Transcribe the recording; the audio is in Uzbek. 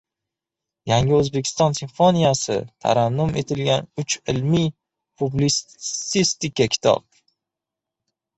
Yangi O‘zbekiston simfoniyasi tarannum etilgan uch ilmiy-publitsistik kitob